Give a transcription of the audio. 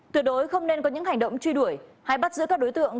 tuyệt đối không nên có những hành động truy đuổi hay bắt giữ các đối tượng